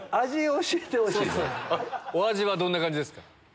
お味はどんな感じですか？